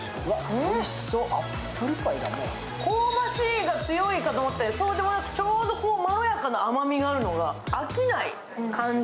香ばしいが強いかと思ったらそうでもなくちょうどまろやかな甘みがあるのが、飽きない感じ。